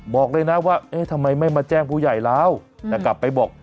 บอกเลยนะว่าเอ๊ะทำไมไม่มาแจ้งผู้ใหญ่แล้วแต่กลับไปบอก